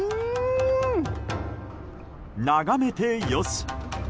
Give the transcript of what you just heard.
眺めて良し。